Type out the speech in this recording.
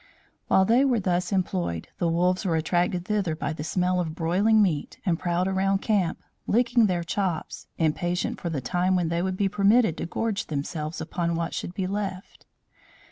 While they were thus employed, the wolves were attracted thither by the smell of broiling meat and prowled around camp, licking their chops, impatient for the time when they would be permitted to gorge themselves upon what should be left.